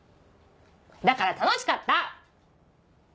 だから楽しかった！